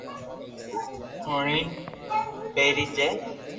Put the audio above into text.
ھيڙين پيري جي